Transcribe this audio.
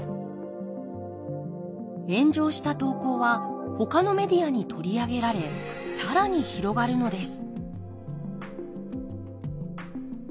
炎上した投稿はほかのメディアに取り上げられ更に広がるのです。